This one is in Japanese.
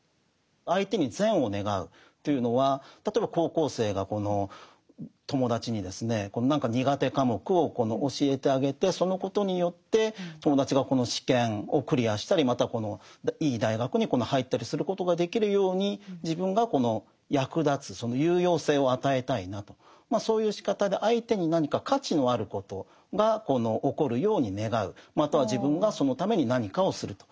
相手に善を願うというのは例えば高校生がこの友達にですね何か苦手科目を教えてあげてそのことによって友達がこの試験をクリアしたりまたいい大学に入ったりすることができるように自分がこの役立つ有用性を与えたいなとそういうしかたでまたは自分がそのために何かをすると。